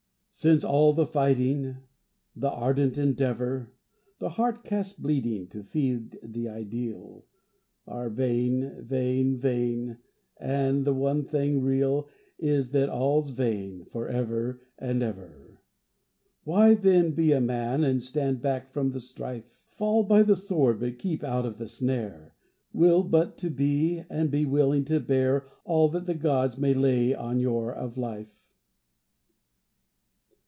Since all the fighting, the ardent endeavour, The heart cast bleeding to feed the Ideal, Are vain, vain, vain, and the one thing real Is that all's vain, for ever and ever; Why then, be a man and stand back from the strife, Fall by the sword, but keep out of the snare; Will but to be and be willing to bear All that the gods may lay on your of life!